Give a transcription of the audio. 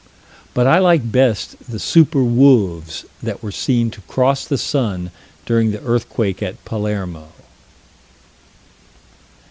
But I like best the super wolves that were seen to cross the sun during the earthquake at Palermo.